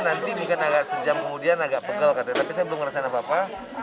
nanti mungkin agak sejam kemudian agak pegal katanya tapi saya belum ngerasain apa apa